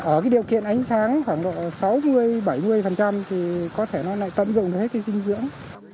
ở cái điều kiện ánh sáng khoảng độ sáu mươi bảy mươi thì có thể nó lại tận dụng hết cái dinh dưỡng